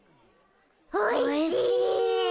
おいしい。